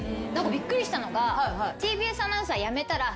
びっくりしたのが。